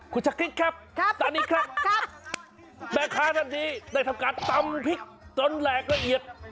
คุณชาคริสครับตอนนี้ครับแม่ค้าท่านนี้ได้ทำการตำพริกจนแหลกละเอียด